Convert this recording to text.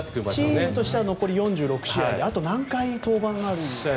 チームとしては残り４６試合であと何回登板が。